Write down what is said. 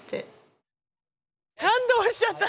感動しちゃった！